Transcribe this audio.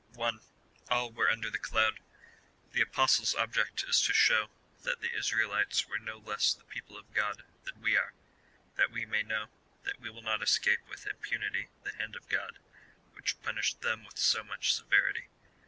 1. All were under the cloud. The Apostle's object is to show, that the Israelites were no less the people of God than we are, that we may know, that we will not escape with im punity the hand of God, which punished them^ with so much severity.